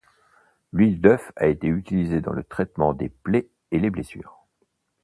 L'huile d’œuf a été utilisé dans le traitement des plaies et les blessures.